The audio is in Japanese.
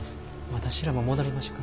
私らも戻りましょか。